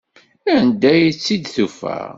Anda ay tt-id-tufa?